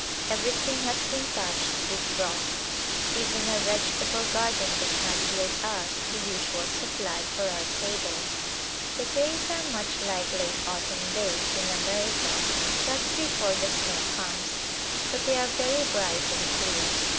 Everything has been touched with frost ; even our vegetable garden does not yield us the usual supply for our table. The days are much like late autumn days in America just before the snow comes, but they are very bright and clear.